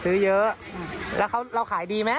ซื้อเยอะแล้วเราขายดีไหม